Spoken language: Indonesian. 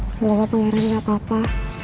semoga pangeran gak apa apa